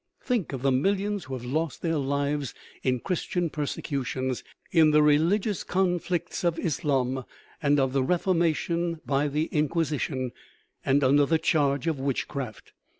Think of the millions who have lost their lives in Christian persecutions, in the religious con flicts of Islam and of the Reformation, by the Inquisi tion, and under the charge of witchcraft.